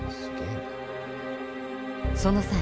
その際